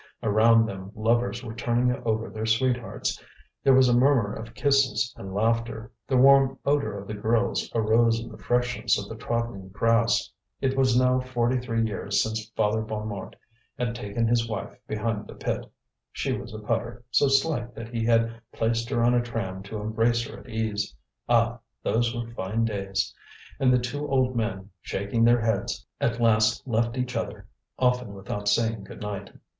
Around them lovers were turning over their sweethearts; there was a murmur of kisses and laughter; the warm odour of the girls arose in the freshness of the trodden grass. It was now forty three years since Father Bonnemort had taken his wife behind the pit; she was a putter, so slight that he had placed her on a tram to embrace her at ease. Ah! those were fine days. And the two old men, shaking their heads, at last left each other, often without saying good night.